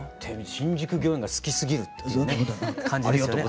「新宿御苑が好きすぎる」っていうね感じですよね。